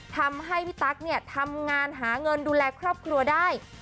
ทำให้พี่ตั๊กเนี่ยทำงานหาเงินดูแลครอบครัวได้